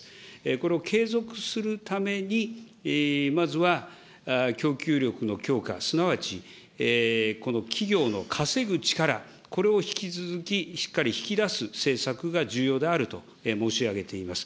これを継続するために、まずは供給力の強化、すなわち企業の稼ぐ力、これを引き続き、しっかり引き出す政策が重要であると申し上げています。